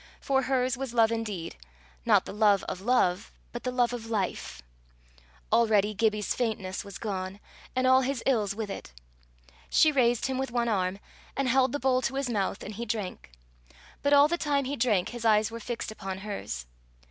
For hers was love indeed not the love of love but the love of Life. Already Gibbie's faintness was gone and all his ills with it. She raised him with one arm, and held the bowl to his mouth, and he drank; but all the time he drank, his eyes were fixed upon hers.